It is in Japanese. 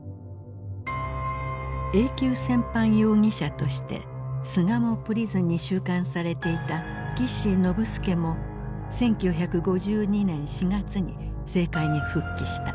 Ａ級戦犯容疑者として巣鴨プリズンに収監されていた岸信介も１９５２年４月に政界に復帰した。